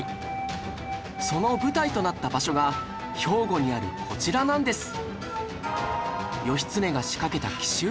その舞台となった場所が兵庫にあるこちらなんです